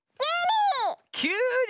きゅうり！